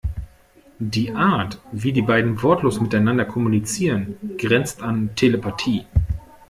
Die Art, wie die beiden wortlos miteinander kommunizieren, grenzt an Telepathie.